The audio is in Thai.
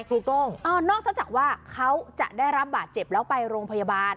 โก้งนอกจากว่าเขาจะได้รับบาดเจ็บแล้วไปโรงพยาบาล